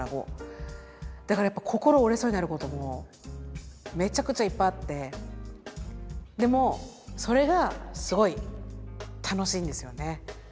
だからやっぱ心折れそうになることもめちゃくちゃいっぱいあってでもそれがすごい楽しいんですよね。